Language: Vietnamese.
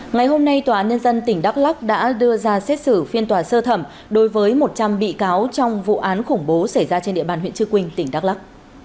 ngày hôm nay tòa án nhân dân tỉnh đắk lắc đã đưa ra xét xử phiên tòa sơ thẩm đối với một trăm linh bị cáo trong vụ án khủng bố xảy ra trên địa bàn huyện trư quynh tỉnh đắk lắc